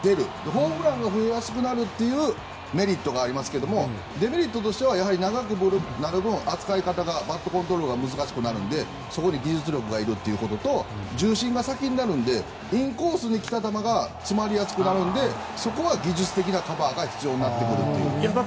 ホームランが増えやすくなるというメリットがありますがデメリットとしては長くなる分、扱い方がバットコントロールが難しくなるのでそこに技術がいるということと重心が先になるのでインコースに来た球が詰まりやすくなるのでそこは技術的なカバーが必要になってくるという。